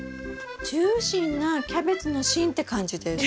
ジューシーなキャベツの芯って感じです。